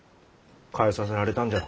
変えさせられたんじゃろ。